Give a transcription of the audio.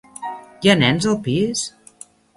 Hi ha nens al pis?